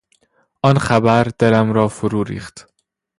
آن خبر دلم را فروریخت.